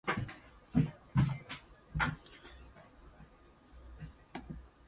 Phoenix's band Aleka's Attic was a constant feature of the rock scene, among others.